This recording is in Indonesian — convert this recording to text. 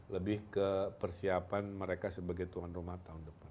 lebih ke persiapan mereka sebagai tuan rumah tahun depan